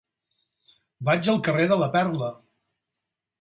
Vaig al carrer de la Perla.